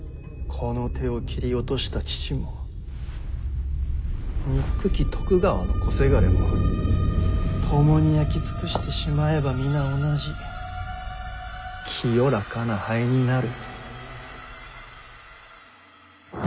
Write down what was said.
「この手を斬り落とした父も憎き徳川の小せがれもともに焼き尽くしてしまえば皆同じ清らかな灰になる」。